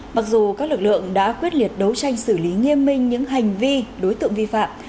mặc dù các lực lượng đã quyết liệt đấu tranh xử lý nghiêm minh những hành vi đối tượng vi phạm